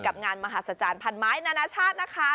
งานมหาศจรรย์พันไม้นานาชาตินะคะ